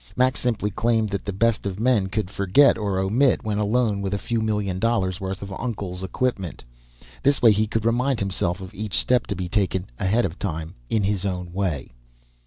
Mac simply claimed that the best of men could forget or omit when alone with a few million dollars' worth of Uncle's equipment. This way he could remind himself of each step to be taken ahead of time, in his own way.